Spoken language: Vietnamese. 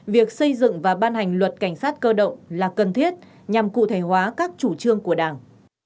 việc xây dựng và ban hành luật cảnh sát cơ động là cần thiết nhằm cụ thể hóa các chủ trương của đảng